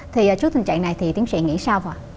thì trước tình trạng này thì tiến sĩ nghĩ sao ạ